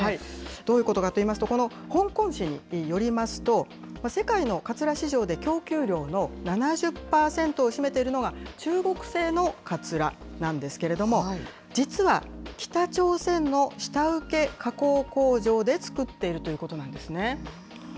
どういうことかといいますと、この香港紙によりますと、世界のかつら市場で供給量の７０％を占めているのが、中国製のかつらなんですけれども、実は、北朝鮮の下請け加工工場で作っているということなんですね。